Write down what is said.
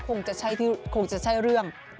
คงจะใช่เรื่อง